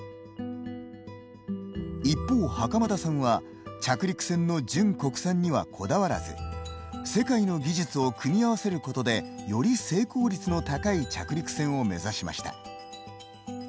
一方、袴田さんは着陸船の純国産にはこだわらず世界の技術を組み合わせることでより成功率の高い着陸船を目指しました。